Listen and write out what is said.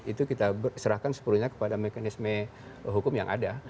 itu kita serahkan sepenuhnya kepada mekanisme hukum yang ada